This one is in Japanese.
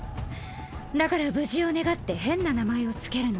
だから無事を願って変な名前を付けるの。